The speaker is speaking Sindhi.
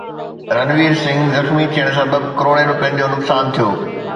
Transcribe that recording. رنوير سنگهه زخمي ٿيڻ سبب ڪروڙين روپين جو نقصان ٿيو